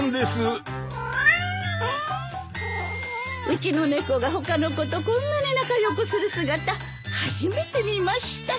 うちの猫が他の子とこんなに仲良くする姿初めて見ました。